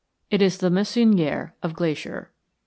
It is the Meissonier of Glacier.